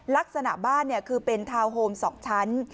ลักษณะบ้านคือเป็นทาวน์โฮม๒ชั้น